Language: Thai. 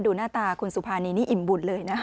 หน้าตาคุณสุภานีนี่อิ่มบุญเลยนะ